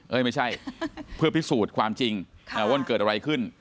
ไม่ใช่เพื่อพิสูจน์ความจริงว่ามันเกิดอะไรขึ้น